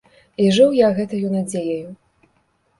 І жыў я гэтаю надзеяю.